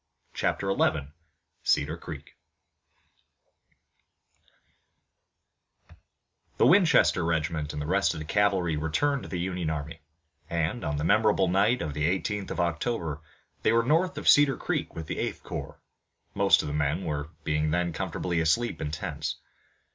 CHAPTER XI CEDAR CREEK The Winchester Regiment and the rest of the cavalry returned to the Union army, and, on the memorable night of the eighteenth of October, they were north of Cedar Creek with the Eighth Corps, most of the men being then comfortably asleep in tents.